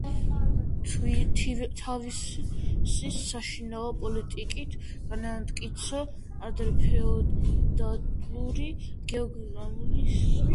თავისის საშინაო პოლიტიკით განამტკიცა ადრეფეოდალური გერმანული სახელმწიფო.